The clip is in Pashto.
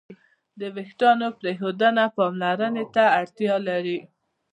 د وېښتیانو پرېښودنه پاملرنې ته اړتیا لري.